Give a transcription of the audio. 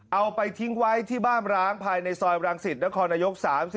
เอาไปทิ้งไว้ที่บ้านร้ำภายในซอยบรังสิตและคณะยก๓๗